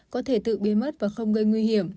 có thể tự biến mất và không gây nguy hiểm